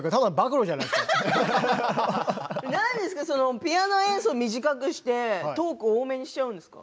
笑い声ピアノ演奏を短くしてトークを多めにしちゃうんですか。